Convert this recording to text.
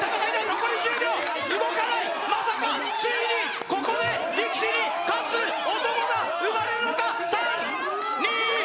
ついにここで力士に勝つ男が生まれるのか？